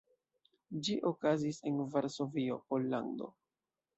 Ĝi okazis en Varsovio, Pollando.